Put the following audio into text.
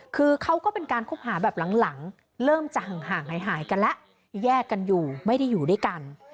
คือเขาก็เป็นการคบหาแบบหลังเริ่มจะห่างหายกันแล้วแยกกันอยู่ไม่ได้อยู่ด้วยกัน